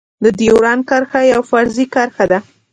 د ډيورند کرښه يوه فرضي کرښه ده.